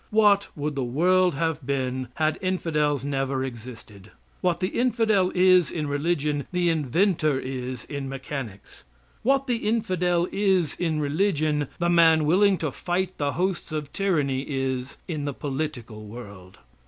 What would the world have been had infidels never existed? What the infidel is in religion the inventor is in mechanics. What the infidel is in religion the man willing to fight the hosts of tyranny is in the political world.